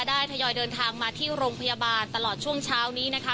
ทยอยเดินทางมาที่โรงพยาบาลตลอดช่วงเช้านี้นะคะ